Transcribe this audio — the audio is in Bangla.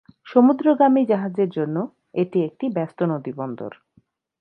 সমুদ্রগামী জাহাজের জন্য এটি একটি ব্যস্ত নদীবন্দর।